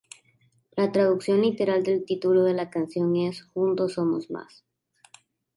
La traducción literal del título de la canción es "Juntos somos más!